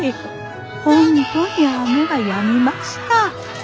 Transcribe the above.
本当に雨がやみました。